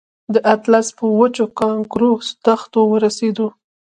د اطلس پر وچو کانکرو دښتو ورسېدو.